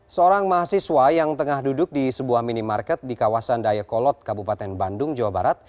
seorang mahasiswa yang tengah duduk di sebuah minimarket di kawasan dayakolot kabupaten bandung jawa barat